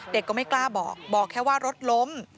ก็ไม่กล้าบอกบอกแค่ว่ารถล้ม